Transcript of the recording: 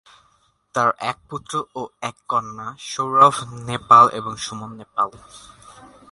তাঁর এক পুত্র ও এক কন্যা, সৌরভ নেপাল এবং সুমন নেপাল।